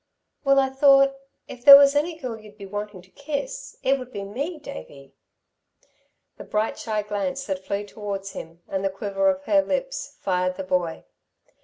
"Well I thought if there was any girl you'd be wanting to kiss, it would be me, Davey!" The bright shy glance that flew towards him, and the quiver of her lips, fired the boy.